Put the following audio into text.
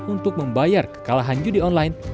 untuk membayar kekalahan judi online